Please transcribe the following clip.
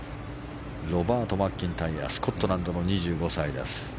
ロバート・マッキンタイヤスコットランドの２５歳です。